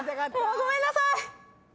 ごめんなさい！